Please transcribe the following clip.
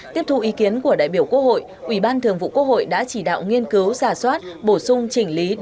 tiếp thu ý kiến của đại biểu quốc hội ủy ban thường vụ quốc hội đã chỉ đạo nghiên cứu giả soát bổ sung chỉnh lý